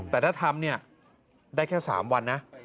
แต่ถ้าทำเนี่ยได้แค่๓วันนะ